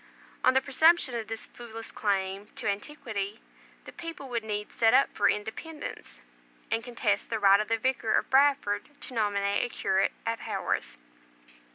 On the presumption of this foolish claim to antiquity, the people would needs set up for independence, and contest the right of the Vicar of Bradford to nominate a curate at Haworth."